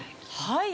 はい。